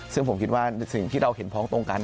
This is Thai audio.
ซึ่งผมคิดว่าสิ่งที่เราเห็นพ้องตรงกัน